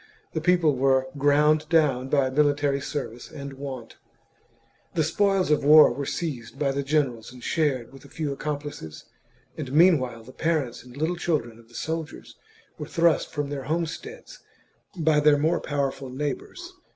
The people XLII. 1 68 THE JUGURTHINE WAR. CHAP, were ground down by military service and want ; the spoils of war were seized by the generals and shared with a few accomplices, and meanwhile the parents and little children of the soldiers were thrust from their homesteads by their more powerful neighbours.